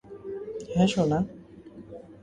হ্যাঁ, সোনা?